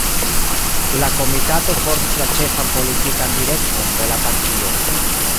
La Komitato formis la ĉefan politikan direkton de la partio.